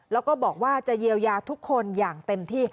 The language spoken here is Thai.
แล้วก็บอกว่าจะเยียวยาทุกคนอย่างเต็มที่